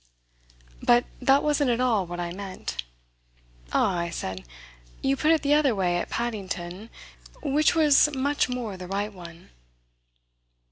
But that wasn't at all what I meant. "Ah," I said, "you put it the other way at Paddington which was much more the right one."